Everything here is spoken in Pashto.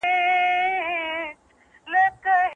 ډاکټر میلرډ دا مفکوره باور وړ ګڼي.